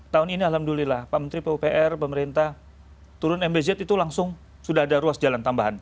tahun ini alhamdulillah pak menteri pupr pemerintah turun mbz itu langsung sudah ada ruas jalan tambahan